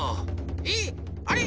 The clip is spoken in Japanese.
えっ⁉あれ？